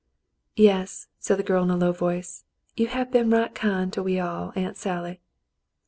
^ "Yes," said the girl in a low voice, "you have been right kind to we all. Aunt Sallv."